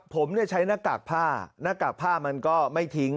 ผมใช้หน้ากากผ้าหน้ากากผ้ามันก็ไม่ทิ้ง